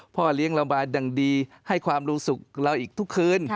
พ่อเลี้ยงเรามาอย่างดีให้ความรู้สึกเราอีกทุกคืน